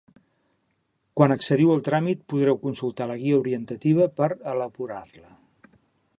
Quan accediu al tràmit podreu consultar la guia orientativa per elaborar-la.